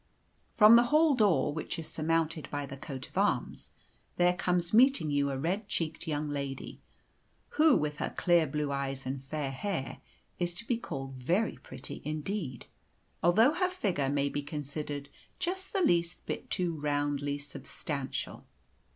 From the hall door, which is surmounted by the coat of arms, there comes meeting you a red cheeked young lady, who, with her clear blue eyes and fair hair, is to be called very pretty indeed, although her figure may be considered just the least bit too roundly substantial.